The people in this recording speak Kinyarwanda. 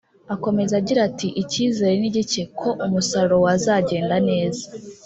Akomeza agira ati” Icyizere ni gike ko umusaruro wazagenda neza